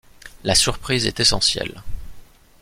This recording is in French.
La surprise est essentielle.